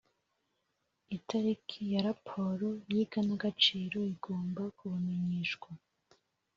itariki ya raporo y iganagaciro igomba kubamenyeshwa